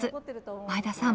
前田さん